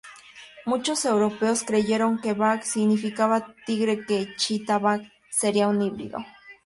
Muchos europeos creyeron que "bagh" significaba tigre y que "chita-bagh" sería un híbrido.